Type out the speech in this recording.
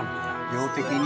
量的に。